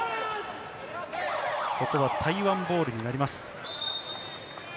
台湾ボールになります。